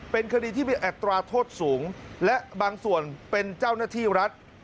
เป็นคดีที่มีอัตราโทษสูงและบางส่วนเป็นเจ้าหน้าที่รัฐ